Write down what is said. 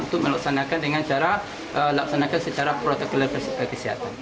untuk melaksanakan dengan cara laksanakan secara protokol kesehatan